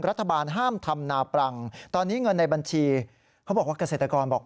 รัฐบาลห้ามทำนาปรังตอนนี้เงินในบัญชีเขาบอกว่าเกษตรกรบอก